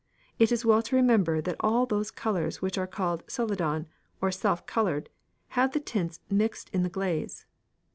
It is well to remember that all those colours which are called Celadon, or self coloured, have the tints mixed in the glaze.